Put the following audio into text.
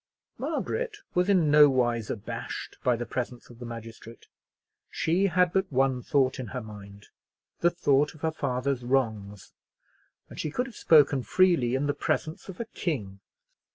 Margaret was in nowise abashed by the presence of the magistrate. She had but one thought in her mind, the thought of her father's wrongs; and she could have spoken freely in the presence of a king.